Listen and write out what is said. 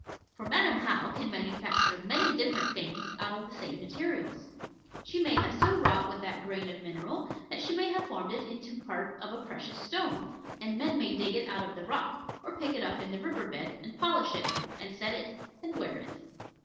For Madam How can manufacture many different things out of the same materials. She may have so wrought with that grain of mineral, that she may have formed it into part of a precious stone, and men may dig it out of the rock, or pick it up in the river bed, and polish it, and set it, and wear it.